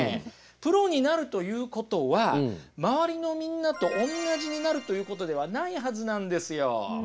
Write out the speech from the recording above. プロになるということは周りのみんなとおんなじになるということではないはずなんですよ。